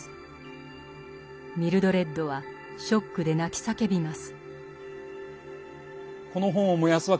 ミルドレッドはショックで泣き叫びます。